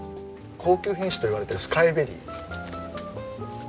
高級品種といわれてるスカイベリー。